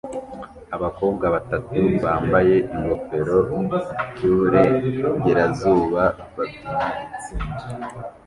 Abakobwa batatu bambaye ingofero yuburengerazuba babyina itsinda